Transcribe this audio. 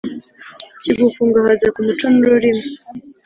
kigukungahaza ku muco n’ururimi